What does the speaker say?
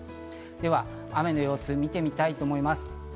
では雨の予想を見てみたいと思います。